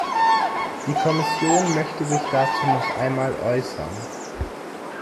Die Kommission möchte sich dazu noch einmal äußern.